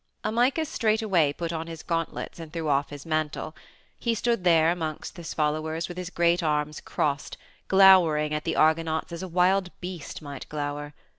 Amycus straightway put on his gauntlets and threw off his mantle; he stood there amongst his followers with his great arms crossed, glowering at the Argonauts as a wild beast might glower.